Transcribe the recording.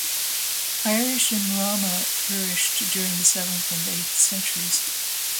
Irish immrama flourished during the seventh and eighth centuries.